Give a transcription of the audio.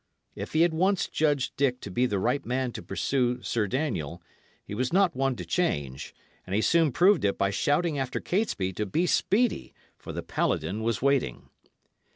If he had once judged Dick to be the right man to pursue Sir Daniel, he was not one to change; and he soon proved it by shouting after Catesby to be speedy, for the paladin was waiting.